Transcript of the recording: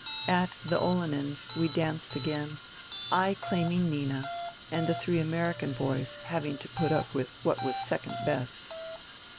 At the Olenins we danced again, I claiming Nina and the three American boys having to put up with what was " second best."